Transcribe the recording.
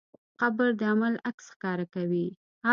قبر د عمل عکس ښکاره کوي.